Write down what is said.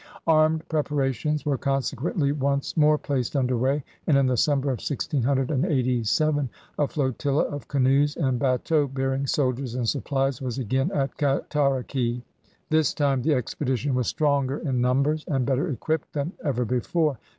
Armed preparations were consequently once more placed under way, and in the summer of 1687 a flotilla of canoes and batteaux bearing soldiers and supplies was again at Cataraqui. This time the expedition was stronger in numbers and better equipped than ever before.